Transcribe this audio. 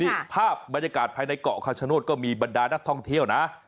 นี่ภาพบรรยากาศภายในเกาะคำชโนธก็มีบรรดานักท่องเที่ยวนะ